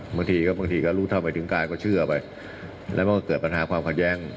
บางทีก็บางทีก็รู้เท่าไปถึงกายก็เชื่อไปแล้วมันก็เกิดปัญหาความขัดแย้ง